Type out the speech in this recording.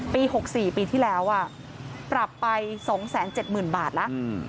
๖๔ปีที่แล้วปรับไป๒๗๐๐๐บาทแล้ว